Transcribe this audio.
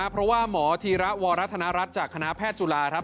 เพราะว่าหมอธีระวรธนรัฐจากคณะแพทย์จุฬาครับ